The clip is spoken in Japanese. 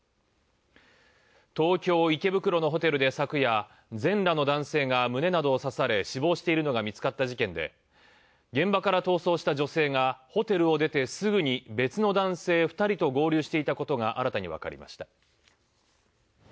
東京・池袋のホテルで昨夜、全裸の男性が胸などを刺され、死亡しているのが見つかった事件で、現場から逃走した女性がホテルを出てすぐに別の男性２人と合流していたことが新たにわかりました。